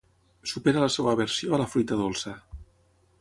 Supera la seva aversió a la fruita dolça.